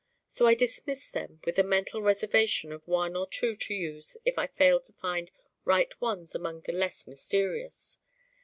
So I dismiss them with a mental reservation of one or two to use if I fail to find right ones among the less mysterious.